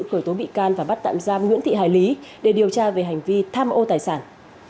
khởi tố bị can và bắt tạm giam nguyễn thị hải lý để điều tra về hành vi tham ô tài sản